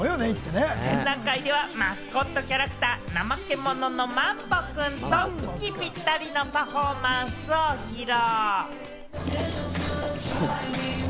展覧会ではマスコットキャラクター、ナマケモノの漫宝くんと息ぴったりのパフォーマンスを披露。